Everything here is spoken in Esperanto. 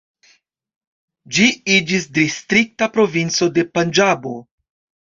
Ĝi iĝis distrikta provinco de Panĝabo.